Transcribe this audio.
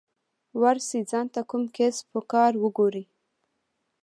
ورسئ ځان ته کوم کسب کار وگورئ.